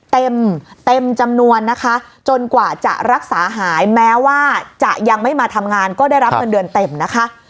เต็มเต็มจำนวนนะคะจนกว่าจะรักษาหายแม้ว่าจะยังไม่มาทำงานก็ได้รับเงินเดือนเต็มนะคะ